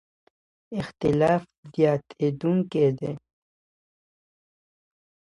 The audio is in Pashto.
اختلاف زیاتېدونکی دی.